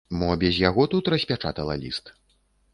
Мо без яго тут распячатала ліст?